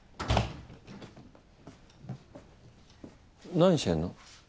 何してんの？